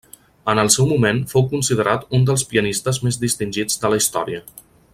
En el seu moment fou considerat un dels pianistes més distingits de la història.